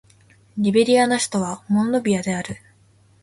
リベリアの首都はモンロビアである